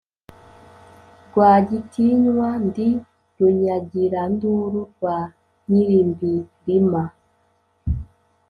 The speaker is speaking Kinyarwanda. Rwagitinywa ndi runyagiranduru rwa Nyilimbirima,